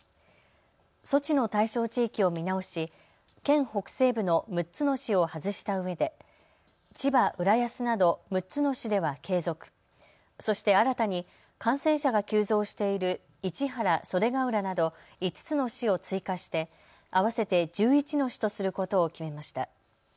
措置の対象地域を見直し県北西部の６つの市を外したうえで千葉、浦安など６つの市では継続、そして新たに感染者が急増している市原、袖ケ浦など５つの市を追加して合わせて１１の市とすることを決めました。